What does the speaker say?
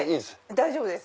大丈夫です。